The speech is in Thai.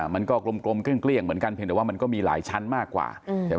มันก็กลมเกลี้ยงเหมือนกันเพียงแต่ว่ามันก็มีหลายชั้นมากกว่าใช่ไหม